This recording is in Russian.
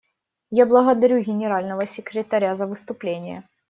Я благодарю Генерального секретаря за выступление.